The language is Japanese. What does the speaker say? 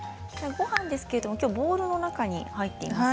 ごはんなんですけれど、きょうはボウルの中に入っています。